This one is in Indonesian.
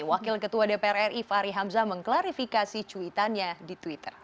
wakil ketua dpr ri fahri hamzah mengklarifikasi cuitannya di twitter